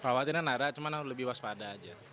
perawatan yang ada cuma harus lebih waspada aja